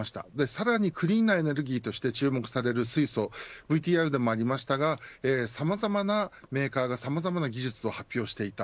さらにクリーンなエネルギーとして注目される水素ＶＴＲでもありましたがさまざまなメーカーがさまざまな技術を発表していた。